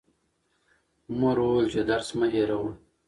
مور وویل چې درس مه هېروه.